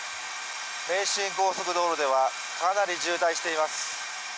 名神高速道路ではかなり渋滞しています。